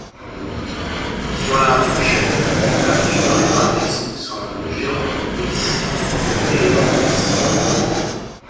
Sur la pochette, les peintures et graphismes sont de Jérome Witz et element-s.